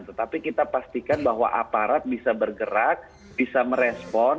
tetapi kita pastikan bahwa aparat bisa bergerak bisa merespon